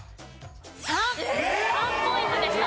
３。３ポイントでした。